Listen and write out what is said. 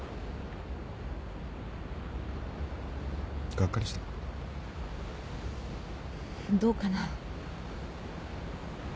がっかりした？どうかな。